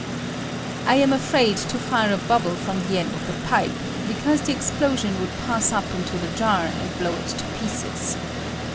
] I am afraid to fire a bubble from the end of the pipe, because the explosion wouJd pass up into the jar and blow it to pieces.